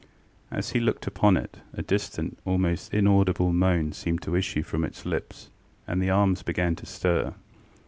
As he looked upon it, a distant, almost inaudible moan seemed to issue from its lips, and the arms began to stir.